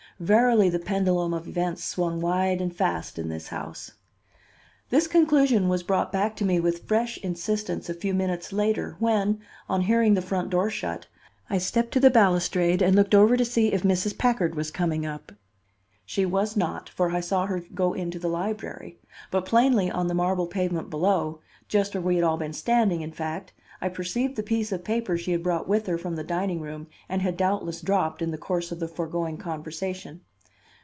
Verily the pendulum of events swung wide and fast in this house. This conclusion was brought back to me with fresh insistence a few minutes later, when, on hearing the front door shut, I stepped to the balustrade and looked over to see if Mrs. Packard was coming up. She was not, for I saw her go into the library; but plainly on the marble pavement below, just where we had all been standing, in fact, I perceived the piece of paper she had brought with her from the dining room and had doubtless dropped in the course of the foregoing conversation.